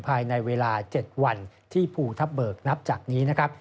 ภายในเวลา๗วันที่ภูทับเบิกนับจากนี้นะครับ